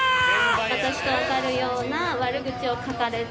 私と分かるような悪口を書かれて。